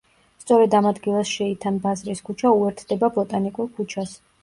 სწორედ ამ ადგილას შეითან ბაზრის ქუჩა უერთდება ბოტანიკურ ქუჩას.